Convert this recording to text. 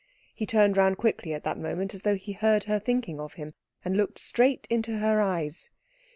He turned round quickly at that moment, as though he heard her thinking of him, and looked straight into her eyes.